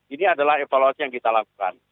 ini adalah evaluasi yang kita lakukan